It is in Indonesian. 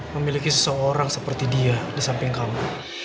memiliki seseorang seperti dia di samping kamu